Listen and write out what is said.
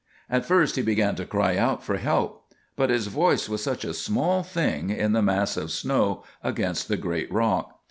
At first he began to cry out for help; but his voice was such a small thing in the mass of snow against the great rock.